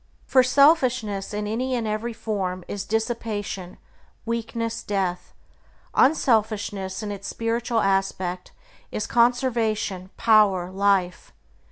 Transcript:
For selfishness in any and every form is dissipation, weakness, death; unselfishness in its spiritual aspect is conservation, power, life.